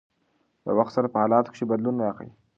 د وخت سره په حالاتو کښې بدلون راغی